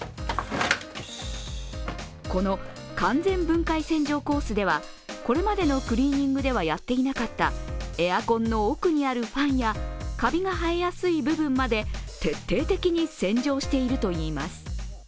この完全分解洗浄コースではこれまでのクリーニングではやっていなかったエアコンの奥にあるファンやかびが生えやすい部分まで徹底的に洗浄しているといいます。